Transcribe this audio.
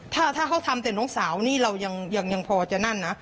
ถ้าเขาทำแต่น้องสาวนี่เรายังพอจะนั่นนะ